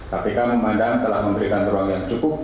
kpk memandang telah memberikan ruang yang cukup